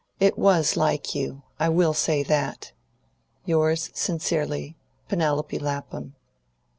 It was like you, I will say that. Yours sincerely, PENELOPE LAPHAM.